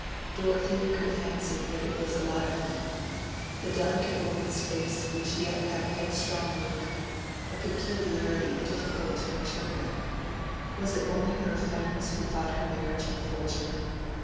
Dorothea could fancy that it was alive now—the delicate woman's face which yet had a headstrong look, a peculiarity difficult to interpret. Was it only her friends who thought her marriage unfortunate?